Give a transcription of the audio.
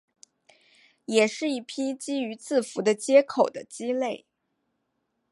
也是一批基于字符的接口的基类。